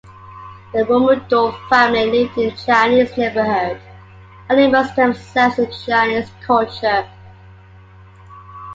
The Womeldorf family lived in a Chinese neighborhood and immersed themselves in Chinese culture.